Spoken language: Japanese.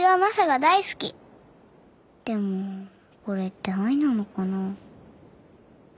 でもこれって愛なのかな？